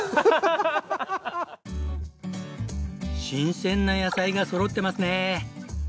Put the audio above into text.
新鮮な野菜がそろってますね。